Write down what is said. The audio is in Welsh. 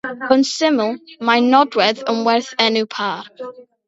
Yn syml mae “nodwedd” yn werth-enw pâr.